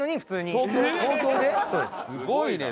すごいね！